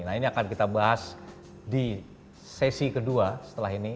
nah ini akan kita bahas di sesi kedua setelah ini